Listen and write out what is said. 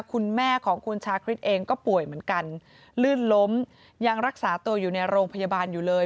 คุณแม่ของคุณชาคริสเองก็ป่วยเหมือนกันลื่นล้มยังรักษาตัวอยู่ในโรงพยาบาลอยู่เลย